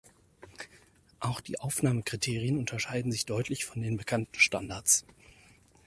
Auch die Aufnahmekriterien unterscheiden sich deutlich von den bekannten Standards.